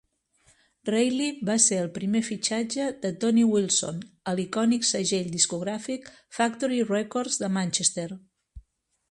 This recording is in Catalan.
Reilly va ser el primer fitxatge de Tony Wilson a l'icònic segell discogràfic Factory Records de Manchester.